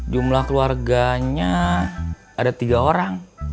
jumlah keluarganya ada tiga orang